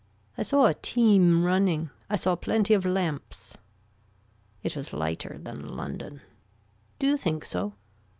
I saw a team running. I saw plenty of lamps. It was lighter than London. Do you think so.